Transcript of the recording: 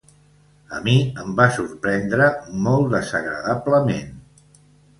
A mi em va sorprendre molt desagradablement.